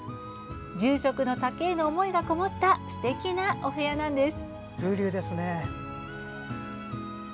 住職の竹への思いがこもったすてきなお部屋なんです。